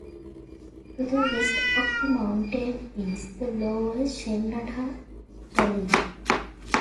To the west of the mountain is the lower Shenandoah Valley.